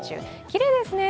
きれいですね！